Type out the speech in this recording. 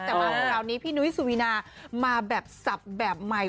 แต่มาคราวนี้พี่นุ้ยสุวีนามาแบบสับแบบใหม่